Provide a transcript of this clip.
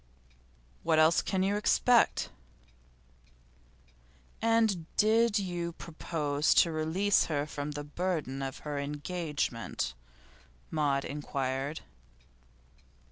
'What else can you expect?' 'And did you propose to release her from the burden of her engagement?' Maud inquired.